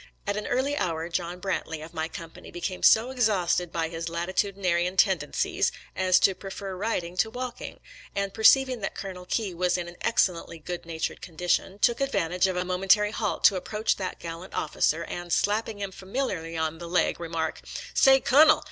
At an early hour John Brantley, of my company, became so exhausted by his lati tudinarian tendencies as to prefer riding to walk ing, and perceiving that Colonel Key was in an excellently good natured condition, took advan tage of a momentary halt to approach that gal lant officer, and, slapping him familiarly on the leg, remark, " Say, Kunnel